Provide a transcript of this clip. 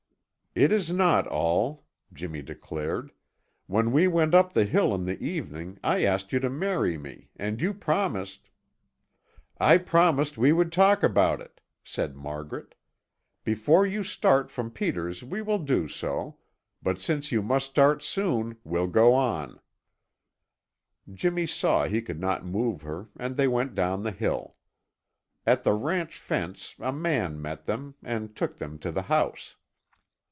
"It is not all," Jimmy declared. "When we went up the hill in the evening, I asked you to marry me and you promised " "I promised we would talk about it," said Margaret. "Before you start from Peter's we will do so; but since you must start soon, we'll go on." Jimmy saw he could not move her, and they went down the hill. At the ranch fence a man met them and took them to the house.